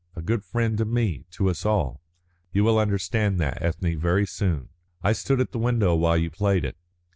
"A good friend to me, to us all. You will understand that, Ethne, very soon. I stood at the window while you played it.